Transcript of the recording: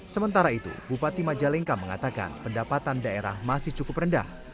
sementara itu bupati majalengka mengatakan pendapatan daerah masih cukup rendah